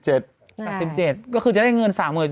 เอ่อ๗๘๘๗๘๗ก็คือจะได้เงิน๓๐๐๐๐ถึง๘๗